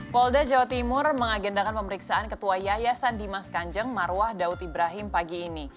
polda jawa timur mengagendakan pemeriksaan ketua yayasan dimas kanjeng marwah daud ibrahim pagi ini